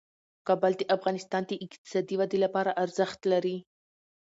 کابل د افغانستان د اقتصادي ودې لپاره ارزښت لري.